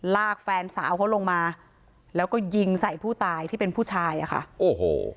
แฟนสาวเขาลงมาแล้วก็ยิงใส่ผู้ตายที่เป็นผู้ชายอ่ะค่ะโอ้โห